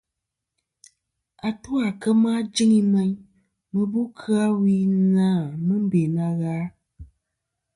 Atu à kema jɨŋi meyn, mɨ bu kɨ-a wi na mɨ be na gha.